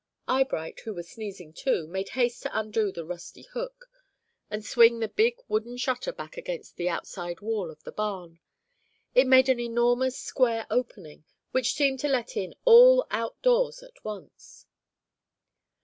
Eyebright, who was sneezing too, made haste to undo the rusty hook, and swing the big wooden shutter back against the outside wall of the barn. It made an enormous square opening, which seemed to let in all out doors at once.